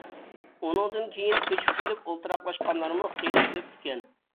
ئۇنىڭدىن كېيىن كۆچۈپ كېلىپ ئولتۇراقلاشقانلارمۇ خېلى كۆپ ئىكەن.